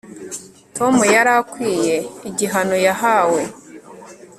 tom yari akwiye igihano yahawe